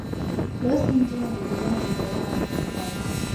لوستې نجونې د ټولنې د باور ارزښت پالي.